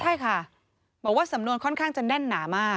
ใช่ค่ะบอกว่าสำนวนค่อนข้างจะแน่นหนามาก